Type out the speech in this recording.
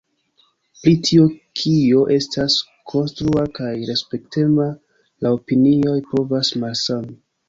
Pri tio kio estas konstrua kaj respektema la opinioj povas malsami.